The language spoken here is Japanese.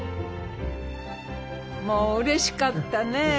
もううれしかったね